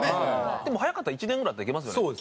でも早かったら１年ぐらいあったらいけますよね。